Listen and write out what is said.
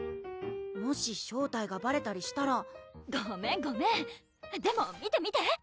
もし正体がバレたりしたらごめんごめんでも見て見て！